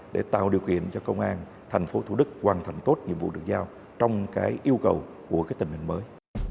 để tạo điều kiện cho công an tp thủ đức hoàn thành tốt nhiệm vụ được giao trong cái yêu cầu của cái tình hình mới